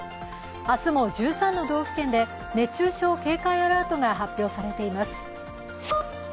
明日も１３の道府県で熱中症警戒アラートが発表されています。